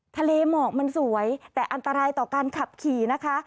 ทะเลหมอกมันสวยแต่อันตรายต่อการขับขี่นะคะ